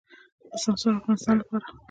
د سمسور افغانستان لپاره.